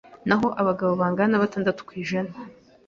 naho abagabo bangana na gatandatu kwijana